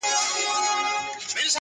خدای ورکړی داسي ږغ داسي آواز وو -